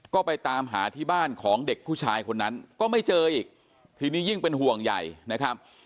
ก็ไปตามหาที่บ้านของเด็กผู้ชายคนนั้นก็ไม่เจออีกทีนี้ยิ่งเป็นห่วงใหญ่นะครับ